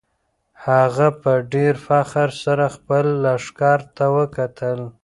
هغه په ډېر فخر سره خپل لښکر ته وکتل.